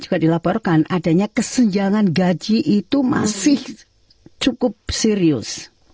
juga dilaporkan adanya kesenjangan gaji itu masih cukup serius